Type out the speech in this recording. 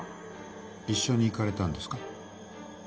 一緒に行かれたんですか？